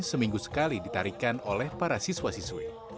seminggu sekali ditarikan oleh para siswa siswi